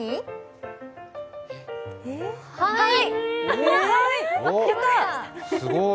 はい！